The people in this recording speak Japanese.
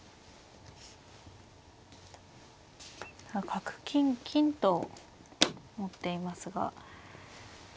角金金と持っていますが。